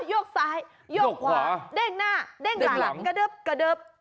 โยกซ้ายโยกขวาเด้งหน้าเด้งหลังกระเดิบกระเดิบ